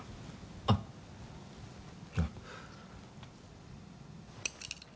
あっいや。